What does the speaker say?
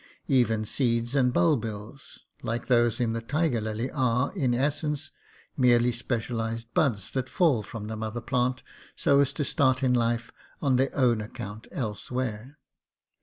Even seeds and bulbils (like those of the tiger lily) are, in essence, merely specialized buds that fall from the mother plant so as to start in life on their own account elsewhere.